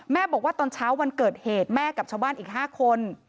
บอกว่าตอนเช้าวันเกิดเหตุแม่กับชาวบ้านอีก๕คน